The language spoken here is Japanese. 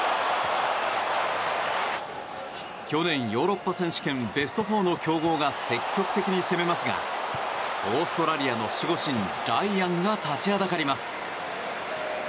去年、ヨーロッパ選手権ベスト４の強豪が積極的に攻めますがオーストラリアの守護神ライアンが立ちはだかります。